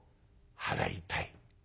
「払いたい」。